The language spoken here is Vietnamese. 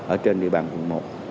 ở trên địa bàn quận một